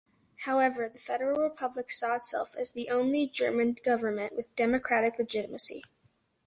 However, the Federal Republic saw itself as the only German government with democratic legitimacy.